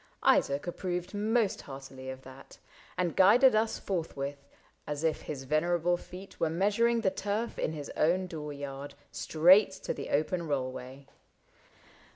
Isaac approved Most heartily of that, and guided us Forthwith, as if his venerable feet Were measuring the turf in his own door yard. Straight to the open rollway.